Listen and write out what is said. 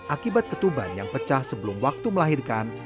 akibat ketuban yang pecah sebelum waktu melahirkan